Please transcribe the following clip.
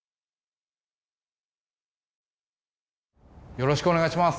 よろしくお願いします！